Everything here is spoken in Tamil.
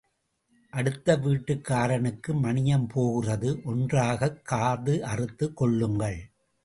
அடுத்த வீட்டுக்காரனுக்கு மணியம் போகிறது ஒன்றாகக் காது அறுத்துக் கொள்ளுங்கள்.